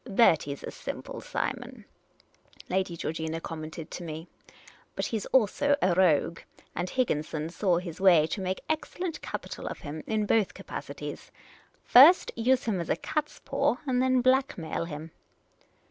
" Bertie 's a simple Simon," Lady Georgina commented to me ;" but he 's also a rogue ; and Higginson saw his way to make excellent capital of him in both capacities — first use him as a catspaw, and then blackmail him."